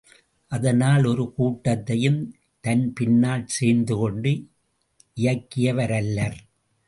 அதனால், ஒரு கூட்டத்தையும் தன்பின்னால் சேர்த்துக் கொண்டு இயங்கியவரல்லர்!